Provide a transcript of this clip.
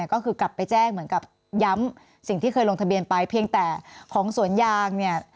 ก็คือกลับไปแจ้งเหมือนกับย้ำสิ่งที่เคยลงทะเบียนไปเพียงแต่ของสวนยางเนี่ย